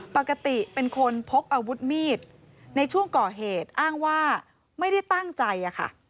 ปกติเป็นคนพกอาวุธมีดในช่วงก่อเหตุอ้างว่าไม่ได้ตั้งใจอะค่ะ